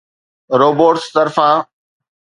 robots طرفان